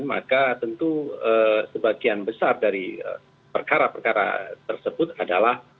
maka tentu sebagian besar dari perkara perkara tersebut adalah